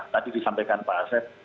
tadi disampaikan pak asep